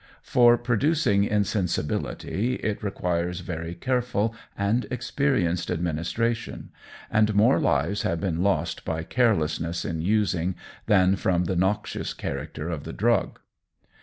For producing insensibility it requires very careful and experienced administration, and more lives have been lost by carelessness in using, than from the noxious character of the drug.